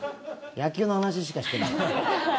野球の話しかしてない。